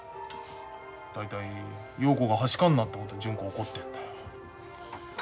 大体陽子がはしかになったこと純子怒ってるんだよ。